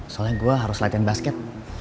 soalnya gue harus latihan basket